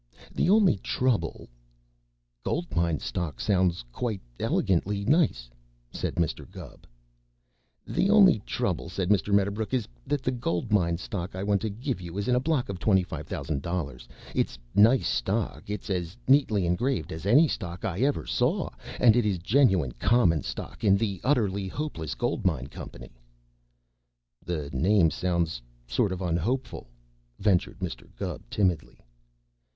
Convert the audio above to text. The only trouble " "Gold mine stock sounds quite elegantly nice," said Mr. Gubb. "The only trouble," said Mr. Medderbrook, "is that the gold mine stock I want to give you is in a block of twenty five thousand dollars. It's nice stock. It's as neatly engraved as any stock I ever saw, and it is genuine common stock in the Utterly Hopeless Gold Mine Company." "The name sounds sort of unhopeful," ventured Mr. Gubb timidly.